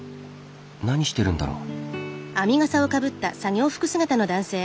何してるんだろう？